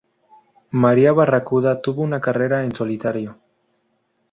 María Barracuda tuvo una carrera en solitario.